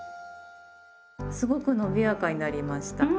すごくのびやかになりました。